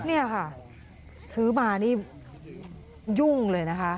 นี่ค่ะซื้อมานี่ยุ่งเลยนะคะ